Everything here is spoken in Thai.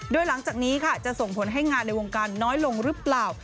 โดยหลังจากนี้ค่ะจะส่งผลให้งานในวงการน้อยลงหรือเปล่า